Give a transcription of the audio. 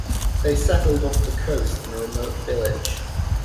They settled off the coast in a remote village.